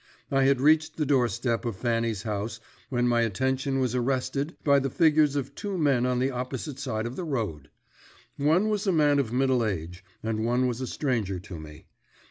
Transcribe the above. I had reached the doorstep of Fanny's house when my attention was arrested by the figures of two men on the opposite side of the road. One was a man of middle age, and was a stranger to me.